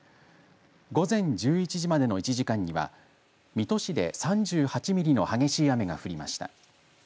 午前１１時までの１時間には水戸市で３８ミリの激しい雨が降りました。